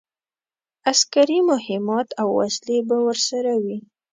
عسکري مهمات او وسلې به ورسره وي.